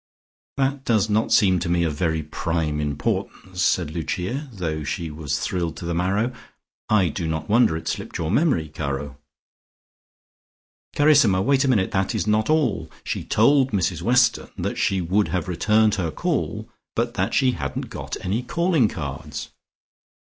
"That does not seem to me of very prime importance," said Lucia, though she was thrilled to the marrow. "I do not wonder it slipped your memory, caro." "Carissima, wait a minute. That is not all. She told Mrs Weston that she would have returned her call, but that she hadn't got any calling cards."